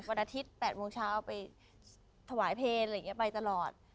วันอาทิตย์๘โมงเช้าไปถวายเพลงไปตลอด